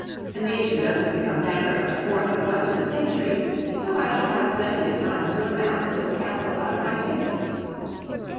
A nation doesn't become bankrupt more than once in a century, so I shall have plenty of time to amass a little capital out of my savings.